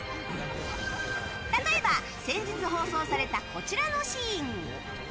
例えば先日放送されたこちらのシーン。